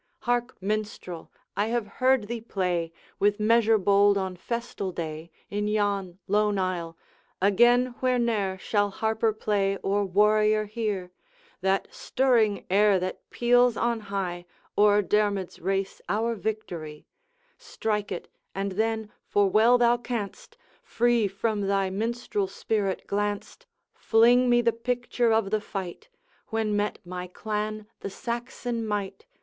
'Hark, Minstrel! I have heard thee play, With measure bold on festal day, In yon lone isle, again where ne'er Shall harper play or warrior hear! That stirring air that peals on high, O'er Dermid's race our victory. Strike it! and then, for well thou canst, Free from thy minstrel spirit glanced, Fling me the picture of the fight, When met my clan the Saxon might.